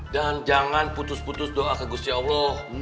dan jangan putus putus doa ke gusti allah